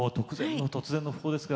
突然の訃報でした。